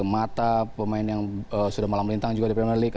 mata pemain yang sudah malam lintang juga di premier league